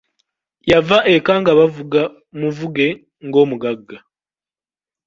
Yava eka nga bavuga muvuge ng'omugagga.